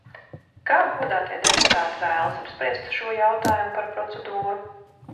Kā godātie deputāti vēlas apspriest šo jautājumu par procedūru?